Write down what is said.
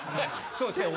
そうですね。